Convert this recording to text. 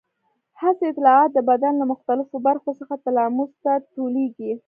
حسي اطلاعات د بدن له مختلفو برخو څخه تلاموس ته ټولېږي.